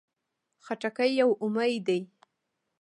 خټکی یو امید دی.